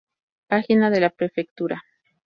Página de la prefectura